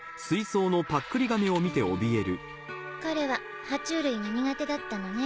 彼は爬虫類が苦手だったのね。